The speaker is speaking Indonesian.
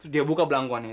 dia buka belangkuan ya